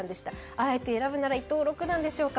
あえて選ぶなら伊藤六段でしょうか。